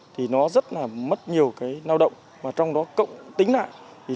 thì nó rất là mất nhiều cái nao động và trong đó cộng tính lại